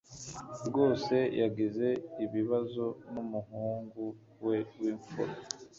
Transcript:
rwose yagize ibibazo numuhungu we w'imfura.